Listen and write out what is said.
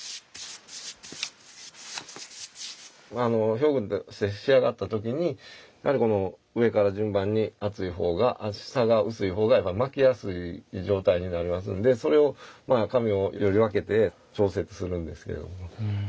表具として仕上がった時にやはりこの上から順番に厚い方が下が薄い方が巻きやすい状態になりますんでそれを紙をより分けて調節するんですけど。